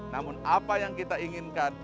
namun apa yang kita inginkan